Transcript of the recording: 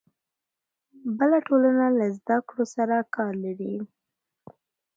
بله ټولنه له زده کړو سره کار لري.